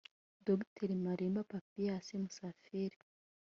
Dr Malimba Papias Musafiri